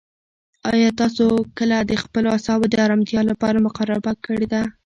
آیا تاسو کله د خپلو اعصابو د ارامتیا لپاره مراقبه کړې ده؟